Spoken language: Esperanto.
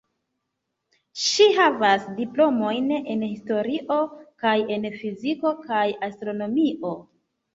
Ŝi havas diplomojn en historio kaj en fiziko kaj astronomio.